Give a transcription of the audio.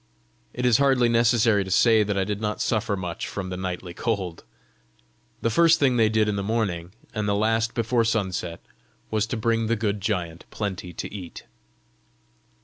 It is hardly necessary to say that I did not suffer much from the nightly cold! The first thing they did in the morning, and the last before sunset, was to bring the good giant plenty to eat.